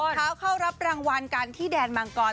เท้าเข้ารับรางวัลกันที่แดนมังกร